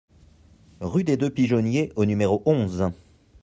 Rue des Deux Pigeonniers au numéro onze